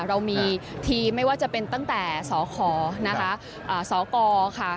เรามีทีมไม่ว่าจะเป็นตั้งแต่สขนะคะสกค่ะ